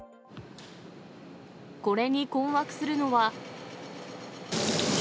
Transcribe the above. これに困惑するのは。